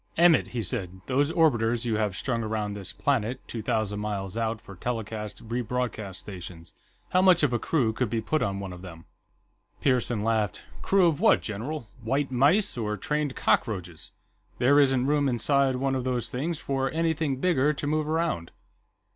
"Emmett," he said, "those orbiters you have strung around this planet, two thousand miles out, for telecast rebroadcast stations. How much of a crew could be put on one of them?" Pearson laughed. "Crew of what, general? White mice, or trained cockroaches? There isn't room inside one of those things for anything bigger to move around."